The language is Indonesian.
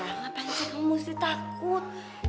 ngapain sih kamu mesti takut